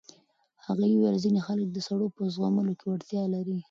هغې وویل ځینې خلک د سړو په زغملو کې وړتیا لري.